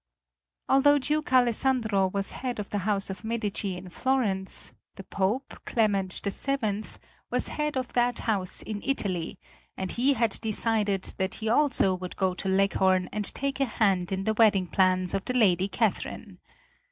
Although Duke Alessandro was head of the house of Medici in Florence the Pope, Clement VII, was head of that house in Italy, and he had decided that he also would go to Leghorn and take a hand in the wedding plans of the Lady Catherine.